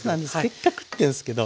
結果食ってんすけど。